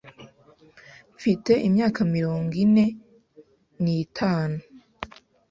Mfite imyaka mirongo ine n'itanu.